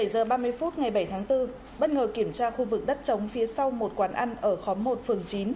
một mươi bảy h ba mươi phút ngày bảy tháng bốn bất ngờ kiểm tra khu vực đất trống phía sau một quán ăn ở khóm một phường chín